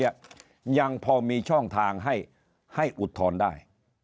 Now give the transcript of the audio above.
ยังพอมีช่องทางให้อุทธรณ์ได้